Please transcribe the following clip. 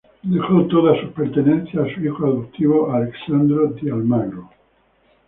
Dejó todas sus pertenencias a su hijo adoptivo, Alessandro Di Almagro.